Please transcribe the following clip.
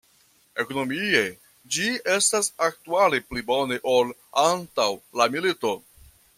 Ekonomie, ĝi estas aktuale pli bone ol antaŭ la milito.